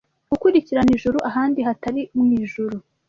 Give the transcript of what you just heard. gukurikirana ijuru ahandi hatari mwijuru